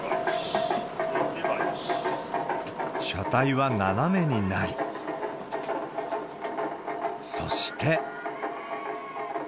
車体は斜めになり、そして。